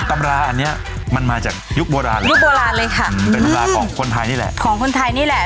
ตำราอันเนี้ยมันมาจากยุคโบราณเลยยุคโบราณเลยค่ะอืมเป็นตำราของคนไทยนี่แหละของคนไทยนี่แหละ